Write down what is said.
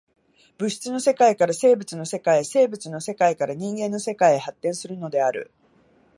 物質の世界から生物の世界へ、生物の世界から人間の世界へ発展するのである。